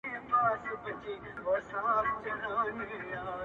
زما هيله زما د وجود هر رگ کي بهېږي’